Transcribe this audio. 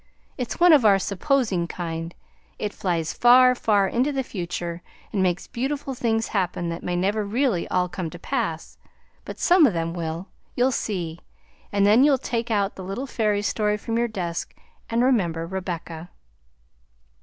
It's one of our 'supposing' kind; it flies far, far into the future, and makes beautiful things happen that may never really all come to pass; but some of them will, you'll see! and then you'll take out the little fairy story from your desk and remember Rebecca."